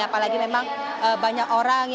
apalagi memang banyak orang